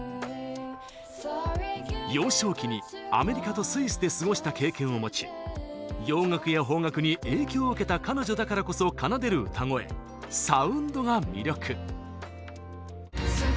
幼少期にアメリカとスイスで過ごした経験を持ち洋楽や邦楽に影響を受けた彼女だからこそ奏でる歌声サウンドが魅力。